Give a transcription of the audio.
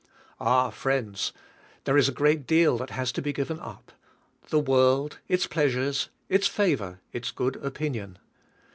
Ah, friends, there is a great deal tliat has to be given up: the world, its pleasures, its favor, its good opinion.